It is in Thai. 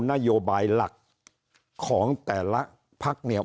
นโยบายหลักของแต่ละภักดิ์